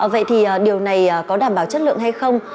vậy thì điều này có đảm bảo chất lượng hay không